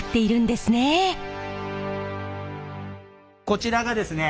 こちらがですね